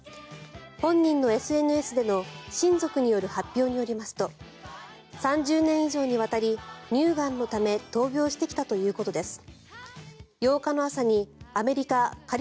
本人のＳＮＳでの親族による発表によりますと３０年以上にわたり乳がんのため闘病してきたということです。